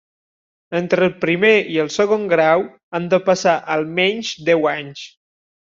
Entre el primer i el segon grau han de passar almenys deu anys.